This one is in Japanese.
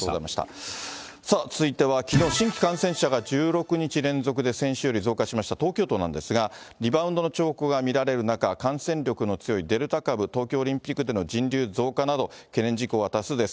さあ、続いてはきのう、新規感染者が１６日連続で先週より増加しました東京都なんですが、リバウンドの兆候が見られる中、感染力の強いデルタ株、東京オリンピックでの人流増加など、懸念事項は多数です。